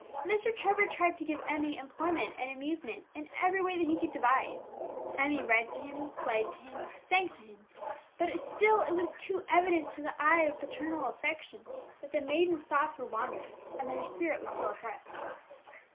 Mr. Trevor tried to give Emmie employment and amusement in every way that he could devise. Emmie read to him, played to him, sang to him; but still it was too evident to the eye of paternal affection that the maiden's thoughts were wandering, and that her spirit was still oppressed.